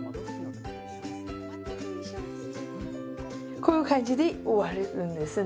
こういう感じで終わるんですね。